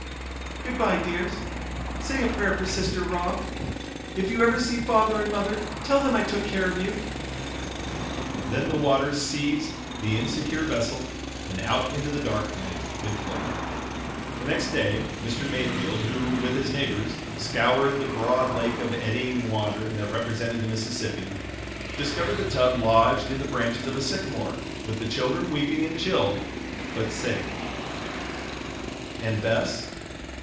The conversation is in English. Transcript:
"Goodbye, dears. Say a prayer for sister, Rob. If you ever see father and mother, tell them I took care of you." Then the water seized the insecure vessel, and out into the dark night it floated. The next day Mr. Mayfield, who, with his neighbors, scoured the broad lake of eddying water that represented the Mississippi, discovered the tub lodged in the branches of a sycamore with the children weeping and chilled, but safe. And Bess?